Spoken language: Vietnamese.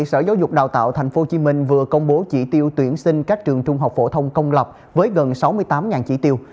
sở giáo dục đào tạo tp hcm vừa công bố chỉ tiêu tuyển sinh các trường trung học phổ thông công lập với gần sáu mươi tám chỉ tiêu